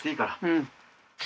うん。